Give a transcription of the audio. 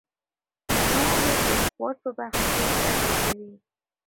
زما ورور د سپورټ په برخه کې زده کړې کوي.